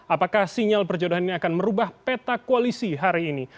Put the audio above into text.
apakah sinyal perjodohan ini akan merubah peta koalisi hari ini